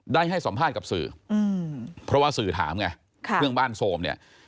ได้ให้สัมภาษณ์กับสื่อเพราะว่าสื่อถามไงเรื่องบ้านโสมเนี่ย